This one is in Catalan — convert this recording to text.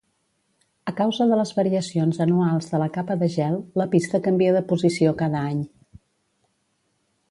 A causa de les variacions anuals de la capa de gel, la pista canvia de posició cada any.